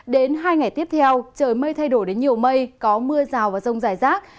đến hai ngày tiếp theo trời mây thay đổi đến nhiều mây có mưa rào và rông rải rác